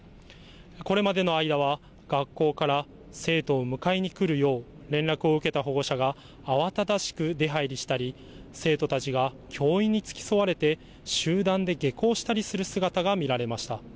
これまでの間は学校から生徒を迎えに来るよう連絡を受けた保護者が慌ただしく出はいりしたり生徒たちが教員に付き添われて集団で下校したりする姿が見られました。